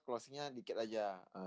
closing nya dikit aja